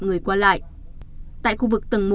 người qua lại tại khu vực tầng một